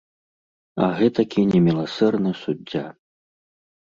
А гэтакі неміласэрны суддзя.